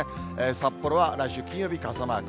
札幌は来週金曜日に傘マーク。